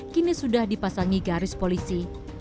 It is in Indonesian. kini sudah dipasangi garis polisi